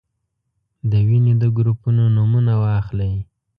د وینې د ګروپونو نومونه واخلئ.